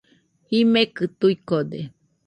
Jimekɨ tuikode.